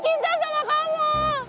chandra jangan tinggalin aku